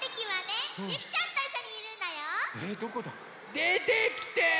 でてきて！